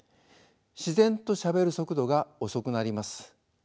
自然としゃべる速度が遅くなります。